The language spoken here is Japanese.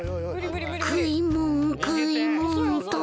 食いもん食いもんと。